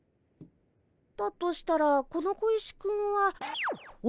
だとしたらこの小石くんは。思い出した！